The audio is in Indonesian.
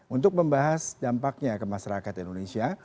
untuk membahas dampaknya ke masyarakat indonesia